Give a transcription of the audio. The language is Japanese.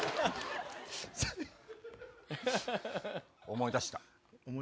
思い出した。